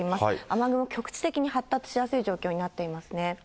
雨雲、局地的に発達しやすい状況になってますね。